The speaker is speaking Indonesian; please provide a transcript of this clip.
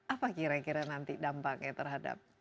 apa kira kira nanti dampaknya terhadap